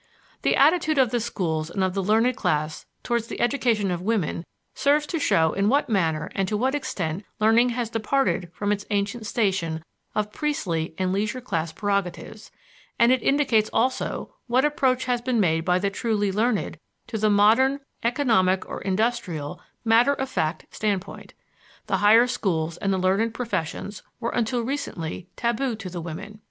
The attitude of the schools and of the learned class towards the education of women serves to show in what manner and to what extent learning has departed from its ancient station of priestly and leisure class prerogatives, and it indicates also what approach has been made by the truly learned to the modern, economic or industrial, matter of fact standpoint. The higher schools and the learned professions were until recently tabu to the women.